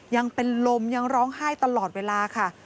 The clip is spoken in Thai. ยังเป็นลมยังร้องไห้ตลอดเวลาค่ะ